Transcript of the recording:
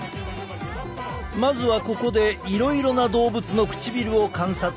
まずはここでいろいろな動物の唇を観察していく。